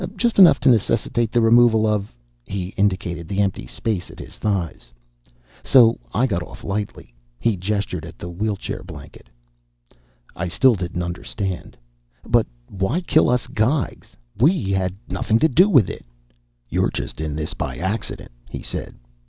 "Just enough to necessitate the removal of " he indicated the empty space at his thighs. "So I got off lightly." He gestured at the wheelchair blanket. I still didn't understand. "But why kill us Geigs? We had nothing to do with it." "You're just in this by accident," he said.